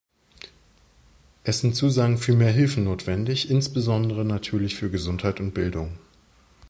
Es sind Zusagen für mehr Hilfe notwendig insbesondere natürlich für Gesundheit und Bildung.